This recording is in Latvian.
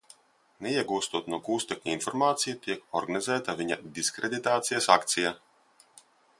Neiegūstot no gūstekņa informāciju, tiek organizēta viņa diskreditācijas akcija.